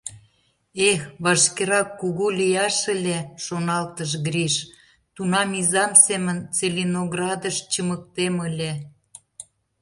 Эх, вашкерак кугу лияш ыле, — шоналтыш Гриш, — тунам изам семын Целиноградыш чымыктем ыле.